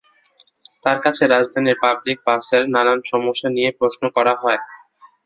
তাঁর কাছে রাজধানীর পাবলিক বাসের নানান সমস্যা নিয়েই প্রশ্ন করা হয়।